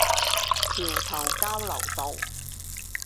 橋頭交流道